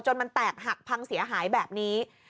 มันแตกหักพังเสียหายแบบนี้